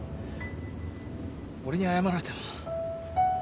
俺に謝られても。